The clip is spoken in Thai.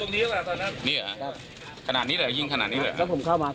ลงแสดงเลยแสดงเลยปั้งขนาดไหน